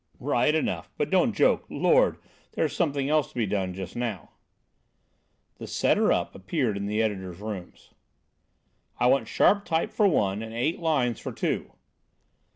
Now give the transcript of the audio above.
"Right enough. But don't joke. Lord, there's something else to be done just now." The "setter up" appeared in the editor's rooms: "I want sharp type for 'one,' and eight lines for 'two.'"